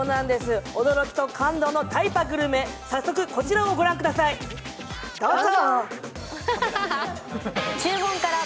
驚きと感動のタイパグルメ、早速こちらをご覧くださいどうぞ！